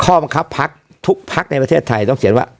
ข้อบังคับพักทุกพักในประเทศไทยต้องเขียนว่า